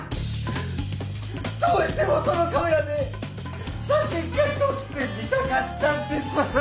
どうしてもそのカメラで写真がとってみたかったんです！